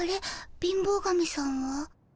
貧乏神さんは？